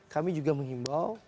kami juga mengimbau